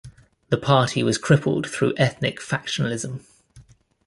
The party was crippled through ethnic fractionalism.